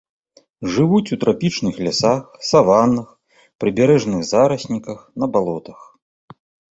Жывуць у трапічных лясах, саваннах, прыбярэжных зарасніках, на балотах.